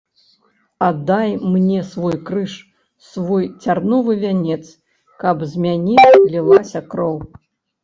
Аддай мне свой крыж, свой цярновы вянец, каб з мяне лілася кроў.